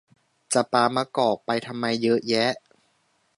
จะปามะกอกไปทำไมเยอะแยะ